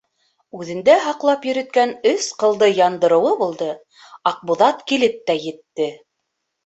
Үҙендә һаҡлап йөрөткән өс ҡылды яндырыуы булды, Аҡбуҙат килеп тә етте.